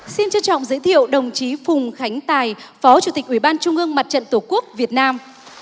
xin trân trọng giới thiệu đồng chí phùng khánh tài phó chủ tịch ủy ban trung ương mặt trận tổ quốc việt nam